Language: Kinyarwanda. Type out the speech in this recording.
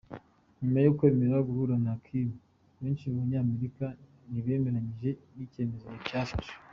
Nyuma yo kwemera guhura na Kim, benshi mu banyamerika ntibemeranyije n’icyemezo cyafashwe.